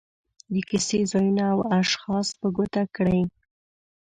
د کیسې ځایونه او اشخاص په ګوته کړي.